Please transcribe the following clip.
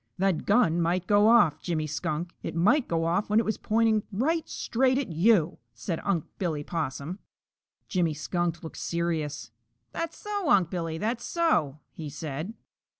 That gun might go off, Jimmy Skunk; it might go off when it was pointing right straight at yo'!" said Unc' Billy Possum. Jimmy Skunk looked serious. "That's so, Unc' Billy, that's so!" he said.